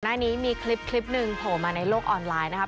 หน้านี้มีคลิปหนึ่งโผล่มาในโลกออนไลน์นะครับ